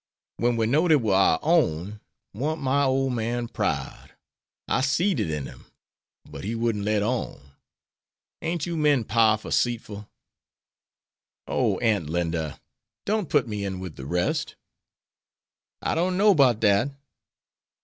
When we knowed it war our own, warn't my ole man proud! I seed it in him, but he wouldn't let on. Ain't you men powerful 'ceitful?" "Oh, Aunt Linda, don't put me in with the rest!" "I don't know 'bout dat.